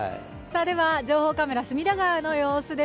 情報カメラ、隅田川の様子です。